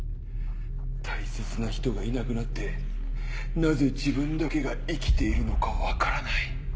大切な人がいなくなってなぜ自分だけが生きているのか分からない。